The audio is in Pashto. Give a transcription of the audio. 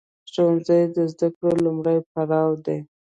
ښوونځی د زده کړو لومړی پړاو دی.